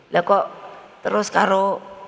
lah kok terus kalau